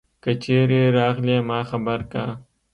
که چیری راغلي ما خبر که